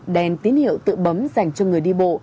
đèn tín hiệu tự bấm dành cho người đi bộ